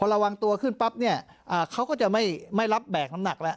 ระวังตัวขึ้นปั๊บเนี่ยเขาก็จะไม่รับแบกน้ำหนักแล้ว